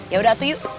yaudah tuh yuk